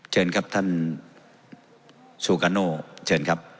เชิญครับท่านซูกาโนเชิญครับ